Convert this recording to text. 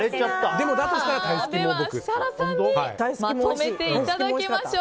では設楽さんにまとめていただきましょう。